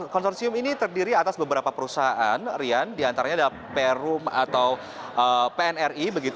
konsorsium ini terdiri atas beberapa perusahaan rian diantaranya ada perum atau pnri